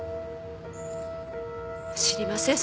知りません